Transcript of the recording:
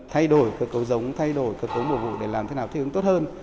thay đổi cơ cấu giống thay đổi cơ cấu bổ vụ để làm thế nào thi hướng tốt hơn